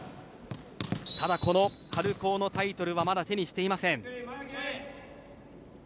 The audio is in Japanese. ただ、この春高のタイトルはまだ手にしていません。